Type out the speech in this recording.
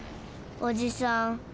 おじさん